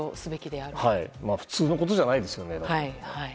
普通のことじゃないですよね。